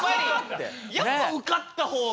やっぱ受かった方が。